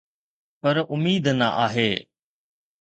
پر اميد نه آهي